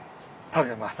食べます。